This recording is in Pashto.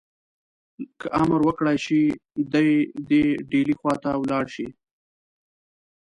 که امر وکړای شي دی دي ډهلي خواته ولاړ شي.